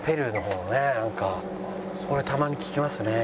これたまに聞きますね